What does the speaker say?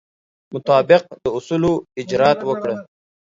مطابق د اصولو اجرات وکړه.